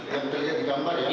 yang terlihat di gambar ya